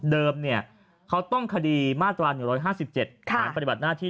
เดิมเนี่ยเขาต้องคดีมาตรวาลหนึ่งร้อยห้าสิบเจ็ดค่ะปฏิบัติหน้าที่